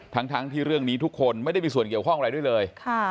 ทั้งที่เรื่องนี้ทุกคนไม่ได้มีส่วนเกี่ยวข้องอะไรด้วยเลย